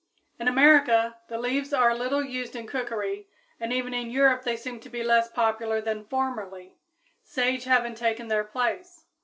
_ In America, the leaves are little used in cookery, and even in Europe they seem to be less popular than formerly, sage having taken their place.